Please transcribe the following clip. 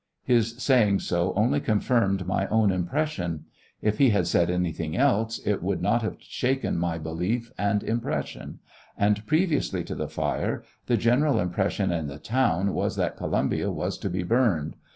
His saying so only confirmed my own impression. If he had said anything else it would not have shaken my belief and impression; and previously to the fire the general impression in the town was that Columbia was to be burned.